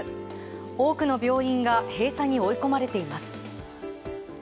多くの病院が閉鎖に追い込まれています。